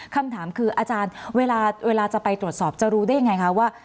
คำถามคืออาจารย์เวลาจะไปตรวจสอบจะรู้ได้ยังไงคะว่า